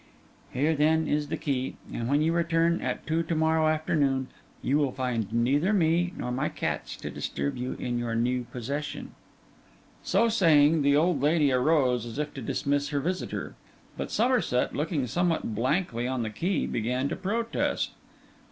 Here, then, is the key; and when you return at two to morrow afternoon, you will find neither me nor my cats to disturb you in your new possession.' So saying, the old lady arose, as if to dismiss her visitor; but Somerset, looking somewhat blankly on the key, began to protest.